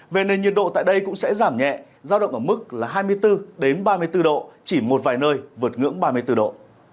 về nền nhiệt độ tại đây cũng sẽ giảm nhẹ giao động ở mức hai mươi bốn ba mươi bốn độ chỉ một vài nơi vượt ngưỡng ba mươi bốn độ